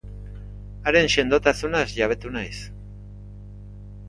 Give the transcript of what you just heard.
Haren sendotasunaz jabetu naiz.